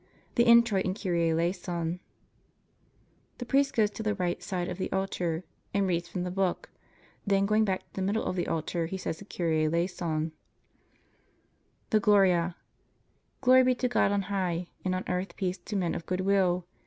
THE INTROIT AND KYRIE ELEISON The priest goes to the right side of the altar and reads from the book. Then going back to the middle of the altar he says the Kyrie Eleison. THE GLORIA Glory be to God on high, and on earth peace to men of good will.